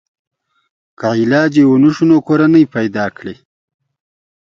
که علاج یې ونشو نو کورنۍ پیدا کړي.